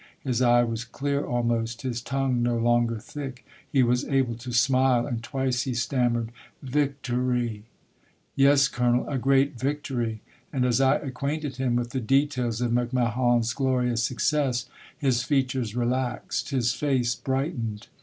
His eye was clear almost, his tongue no longer thick. He was able to smile, and twice he stammered ' Vic to ry !'"' Yes, colonel, a great victory !'" And as I acquainted him with the details of MacMahon's glorious success, his features relaxed, his face brightened.